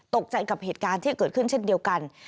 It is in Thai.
ตกใจกับเหตุการณ์ที่เกิดขึ้นเช่นเดียวกัน